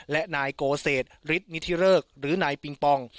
และนายโกเศษฤทธินิธิเริกหรือนายปิงปอง